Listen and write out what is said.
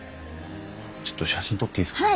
ちょっと写真撮っていいですか？